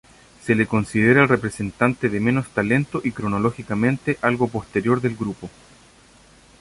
Se le considera el representante de menos talento y cronológicamente algo posterior del grupo.